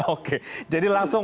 oke jadi langsung